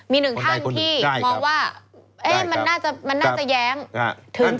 มีหนึ่งท่านที่มองว่ามันน่าจะแย้ง